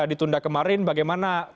ditunda kemarin bagaimana